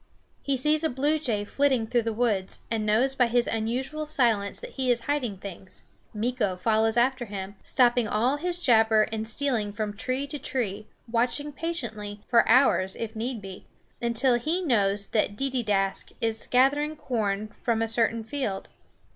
He sees a blue jay flitting through the woods, and knows by his unusual silence that he is hiding things. Meeko follows after him, stopping all his jabber and stealing from tree to tree, watching patiently, for hours it need be, until he knows that Deedeeaskh is gathering corn from a certain field.